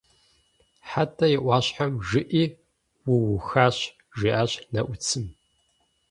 «Хьэтӏэ и ӏуащхьэм жыӏи, уухащ», – жиӏащ Нэӏуцым.